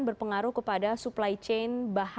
berpengaruh kepada supply chain